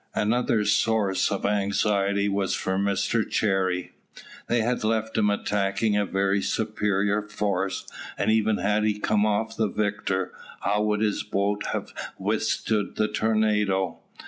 Another source of anxiety was for Mr Cherry. They had left him attacking a very superior force; and even had he come off the victor, how would his boat have withstood the tornado?